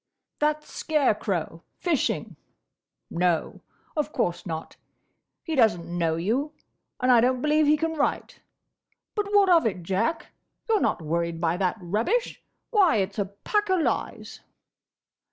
"That scare crow, fishing. No; of course not. He does n't know you, and I don't believe he can write.—But, what of it, Jack? You're not worried by that rubbish! Why, it's a pack o' lies!"